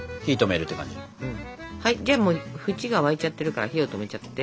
はいじゃあもう縁が沸いちゃってるから火を止めちゃって。